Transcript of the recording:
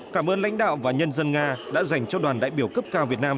cảm ơn lãnh đạo và nhân dân nga đã dành cho đoàn đại biểu cấp cao việt nam